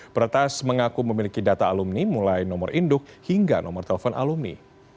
peretas mengaku memiliki data alumni mulai nomor induk hingga nomor telepon alumni